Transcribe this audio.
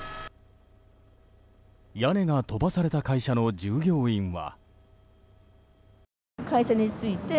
屋根が飛ばされた会社の従業員は。